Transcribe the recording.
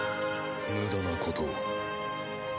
無駄なことを。